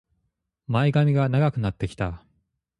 前髪が長くなってきた